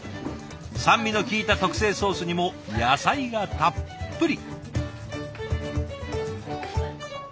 酸味のきいた特製ソースにも野菜がたっぷり。